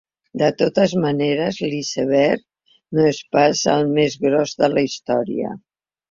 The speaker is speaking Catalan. De totes maneres, l’iceberg no és pas el més gros de la història.